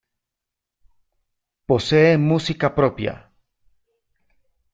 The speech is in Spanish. Posee música propia.